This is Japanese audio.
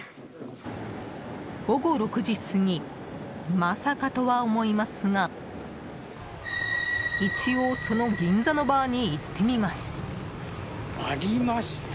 午後６時過ぎまさかとは思いますが一応、その銀座のバーに行ってみます。